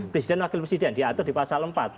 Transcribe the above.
presiden wakil presiden diatur di pasal empat